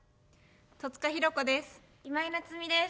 戸塚寛子です。